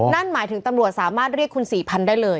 นั่นหมายถึงตำรวจสามารคได้เรียกคุณสี่พันพันได้เลย